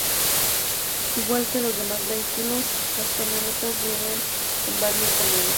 Igual que los demás vehículos, las camionetas vienen en varios tamaños.